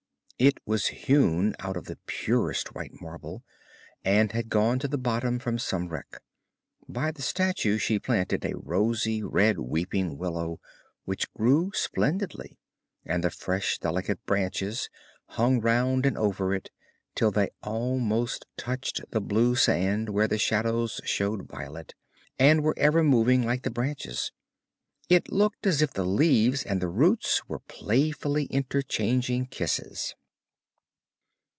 It was hewn out of the purest white marble and had gone to the bottom from some wreck. By the statue she planted a rosy red weeping willow which grew splendidly, and the fresh delicate branches hung round and over it, till they almost touched the blue sand where the shadows showed violet, and were ever moving like the branches. It looked as if the leaves and the roots were playfully interchanging kisses.